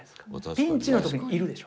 ピンチの時にいるでしょ。